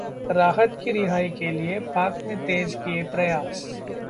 राहत की रिहाई के लिए पाक ने तेज किये प्रयास